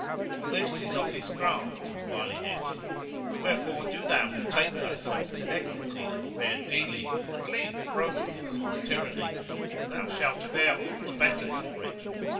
All this is of his craft and wiliness: wherefore do thou betake thyself to equity and fair dealing and leave frowardness and tyranny; and thou shalt fare all the better for it."